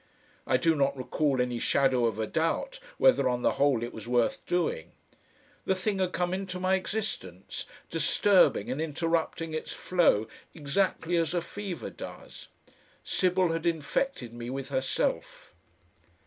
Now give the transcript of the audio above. I do not recall any shadow of a doubt whether on the whole it was worth doing. The thing had come into my existence, disturbing and interrupting its flow exactly as a fever does. Sybil had infected me with herself.